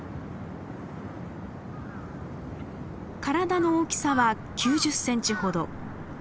体の大きさは９０センチほど。